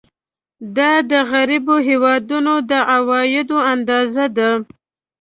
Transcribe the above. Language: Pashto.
دا د غریبو هېوادونو د عوایدو اندازه ده.